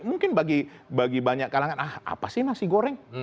mungkin bagi banyak kalangan ah apa sih nasi goreng